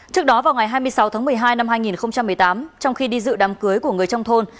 trước đó vào ngày hai mươi sáu tháng một mươi hai năm hai nghìn một mươi tám trong khi đi dự đám cưới của người trong thôn